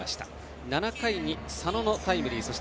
７回に佐野のタイムリー。